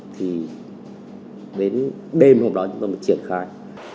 thì đến đêm hôm đó chúng tôi mới triển khai